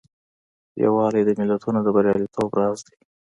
یووالی د ملتونو د بریالیتوب راز دی.